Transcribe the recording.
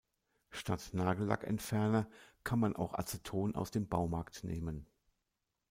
Statt Nagellackentferner kann man auch Aceton aus dem Baumarkt nehmen.